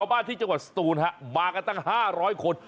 ชาวบ้านที่จังหวัดสตูนฮะมากันตั้งห้าร้อยคน